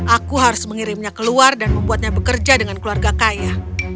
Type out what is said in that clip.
aku harus mengirimnya keluar dan membuatnya bekerja dengan keluarga kaya